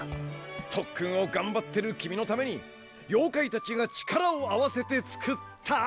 とっくんをがんばってる君のために妖怪たちが力を合わせて作った。